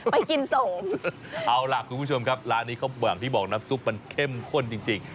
ไปกินส่งเอาล่ะคุณผู้ชมครับร้านนี้เขาอย่างที่บอกน้ำซุปมันเข้มข้นจริง